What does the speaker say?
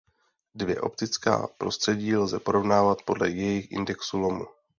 Dvě optická prostředí lze porovnávat podle jejich indexů lomu.